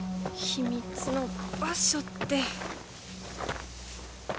秘密の場所って。